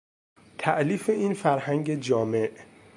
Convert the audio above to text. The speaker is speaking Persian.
تالیف این فرهنگ جامع